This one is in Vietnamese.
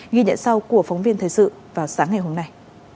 ghi nhận sau của phóng viên thời sự vào sáng ngày hôm nay